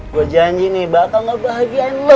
gua janji nih bakal ngebahagiain lu